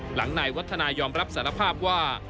หลังนายวัฒนายอมรับสารภาพว่า